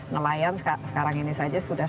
nelayan sekarang ini saja sudah